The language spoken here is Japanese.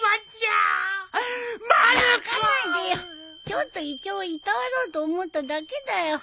ちょっと胃腸をいたわろうと思っただけだよ。